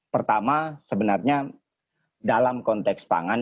pertama sebenarnya dalam konteks pangan